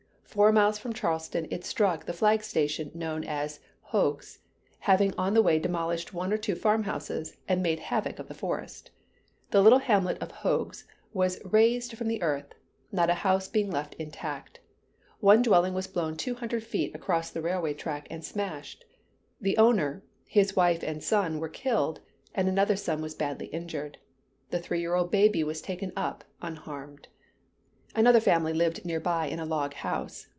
Four miles from Charleston it struck the flag station known as Hough's, having on the way demolished one or two farm houses, and made havoc of the forest. The little hamlet of Hough's was razed from the earth, not a house being left intact. One dwelling was blown two hundred feet across the railway track and smashed. The owner, his wife and son were killed, and another son was badly injured. The three year old baby was taken up unharmed. Another family lived near by in a log house.